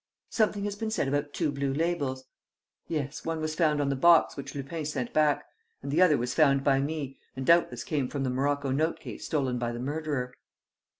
"Something has been said about two blue labels." "Yes, one was found on the box which Lupin sent back; and the other was found by me and doubtless came from the morocco note case stolen by the murderer."